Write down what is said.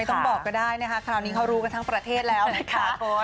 ต้องบอกก็ได้นะคะคราวนี้เขารู้กันทั้งประเทศแล้วนะคะคุณ